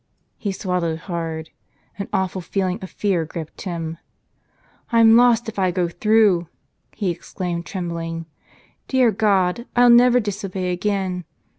He swallowed hard. An awful feeling of fear gripped him. "I'm lost if I go through !" he exclaimed trembling. "Dear God, I'll never disobey again.